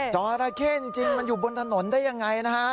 จราเข้จริงมันอยู่บนถนนได้ยังไงนะฮะ